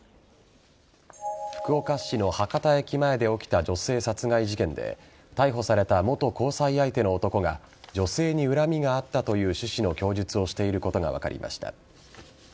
福岡市の博多駅前で起きた女性殺害事件で逮捕された元交際相手の男が女性に恨みがあったという趣旨の供述をしていることが分かりました。